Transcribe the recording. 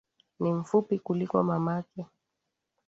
Ni mfupi kuliko mamake.